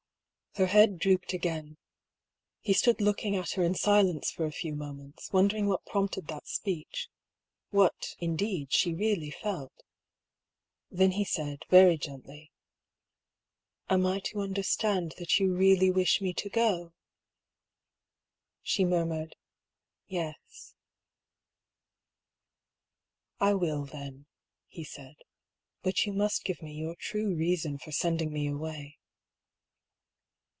Her head drooped again. He stood looking at her in silence for a few moments, wondering what prompted that speech — what, indeed, she really felt. Then he said, very gently : "Am I to understand that you really wish me to go?" She murmured " Yes." " I will, then," he said. " But you must give me your true reason for sending me away."